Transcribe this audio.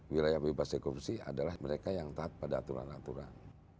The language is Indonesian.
wilayah bebas ekonomi adalah mereka yang taat pada aturan aturan